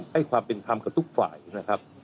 ให้ความเป็นธรรมกับทุกฝ่ายนะครับ